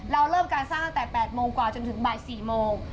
เราเริ่มการสร้างตั้งแต่๘โมงกว่าจนถึงบ่าย๔โมง